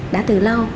đã từ lâu